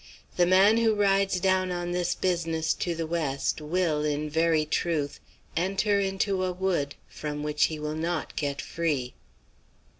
"The man who rides down on this business to the West will, in very truth, enter into a wood from which he will not get free."